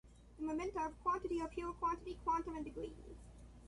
The momenta of quantity are pure quantity, quantum, and degree.